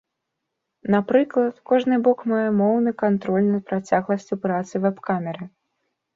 Напрыклад, кожны бок мае моўны кантроль над працягласцю працы вэб-камеры.